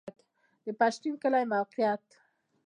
د پښتین کلی موقعیت